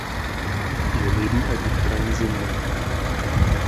Ihr Leben ergibt keinen Sinn mehr.